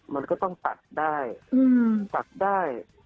มันก็ต้องตัดได้